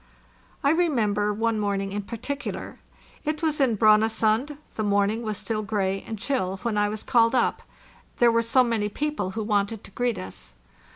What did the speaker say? I remember one morn ing in particular. It was in Brondsund ——the morning was still gray and chill when I was called up—there were so many people who wanted to greet us.